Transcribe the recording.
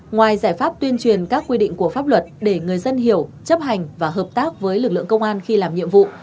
ngoài giải pháp tuyên truyền các quy định của pháp luật để người dân hiểu chấp hành và hợp tác với lực lượng công an khi làm nhiệm vụ